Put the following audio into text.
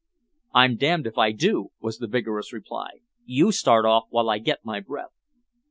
"I'm damned if I do!" was the vigorous reply. "You start off while I get my breath."